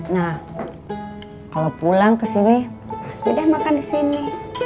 nah kalau pulang ke sini sudah makan di sini